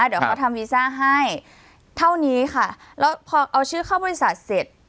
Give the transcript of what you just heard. เดี๋ยวเขาทำวีซ่าให้เท่านี้ค่ะแล้วพอเอาชื่อเข้าบริษัทเสร็จ